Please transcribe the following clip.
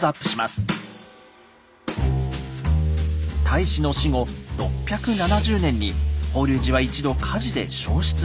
太子の死後６７０年に法隆寺は１度火事で焼失しました。